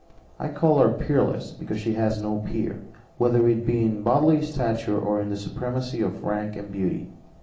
I call her peerless because she has no peer, whether it be in bodily stature or in the supremacy of rank and beauty.